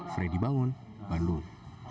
freddy bangun bandung